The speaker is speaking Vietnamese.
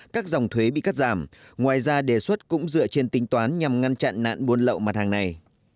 các dòng thuế bị cắt giảm ngoài ra đề xuất cũng dựa trên tính toán nhằm ngăn chặn nạn buôn lậu mặt hàng này